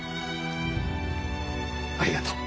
ありがとう。